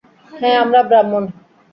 হ্যাঁ, আমরা ব্রাহ্মণ।